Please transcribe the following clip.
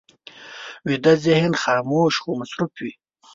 ویده ذهن خاموش خو مصروف وي